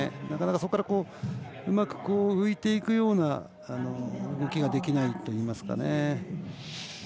なかなか、うまく浮いていくようなことができないといいますか。